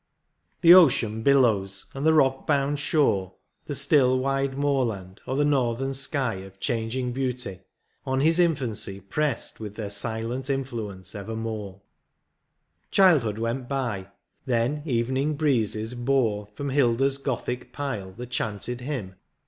The ocean billows, and the rock bound shore, The still, wide moorland, or the northern sky Of changing beauty, on his infancy Pressed with their silent influence evermore ; Childhood went by, then evening breezes bore From Hilda s gothic pile the chanted hymn.